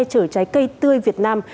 chở trái cây tươi việt nam